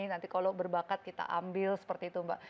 nanti kalau berbakat kita ambil seperti itu mbak